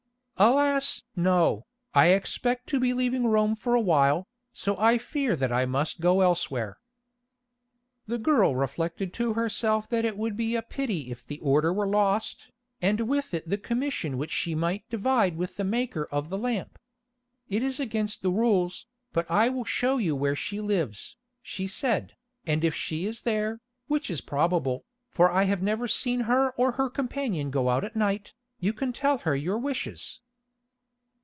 "Alas! no, I expect to be leaving Rome for a while, so I fear that I must go elsewhere." The girl reflected to herself that it would be a pity if the order were lost, and with it the commission which she might divide with the maker of the lamp. "It is against the rules, but I will show you where she lives," she said, "and if she is there, which is probable, for I have never seen her or her companion go out at night, you can tell her your wishes."